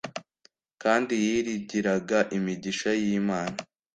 kandi yiringiraga imigisha y'Imana.